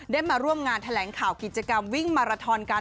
มาร่วมงานแถลงข่าวกิจกรรมวิ่งมาราทอนกัน